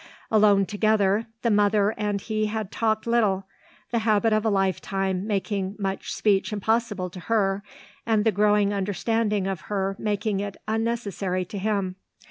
Alone together, the mother and he had talked little, the habit of a lifetime making much speech impossible to her and the growing understanding of her making it unnecessary to him.